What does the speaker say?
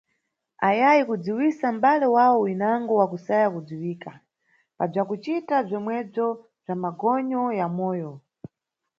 Ayayi kudziwisa mʼbale wawo winango wakusaya kudziwika, pa bzakucita bzomwebzo bza magonyo ya moyo?